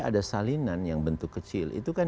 ada salinan yang bentuk kecil itu kan